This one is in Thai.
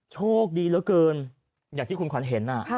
โชคดีเหลือเกินอย่างที่คุณขวัญเห็น